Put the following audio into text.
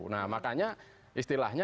nah makanya istilahnya